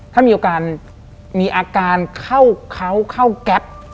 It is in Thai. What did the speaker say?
ถ้ามีอาการเข้าแก๊ป